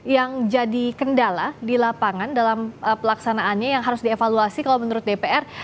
yang jadi kendala di lapangan dalam pelaksanaannya yang harus dievaluasi kalau menurut dpr